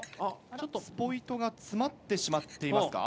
スポイトが詰まってしまっていますか？